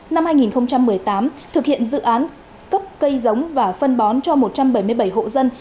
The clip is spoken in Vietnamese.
năm hai nghìn một mươi tám thực hiện dự án cấp cây giống và phân bón cho một trăm bảy mươi bảy hộ dân